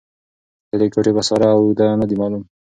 د دې کوټې پساره او اږده نه دې معلوم